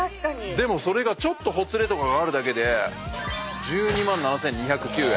でもそれがちょっとほつれとかがあるだけで１２万７，２０９円。